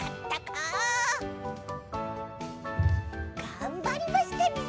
がんばりましたね。